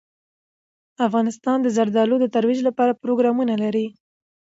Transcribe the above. افغانستان د زردالو د ترویج لپاره پروګرامونه لري.